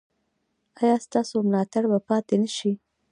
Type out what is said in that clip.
ایا ستاسو ملاتړ به پاتې نه شي؟